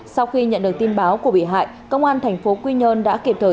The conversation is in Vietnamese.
sau khi nhận được tin báo của bị hại công an thành phố quy nhơn đã kịp thời